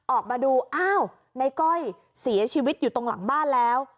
ออกมาดูอ้าวในก้อยเสียชีวิตอยู่ตรงหลังบ้านแล้ว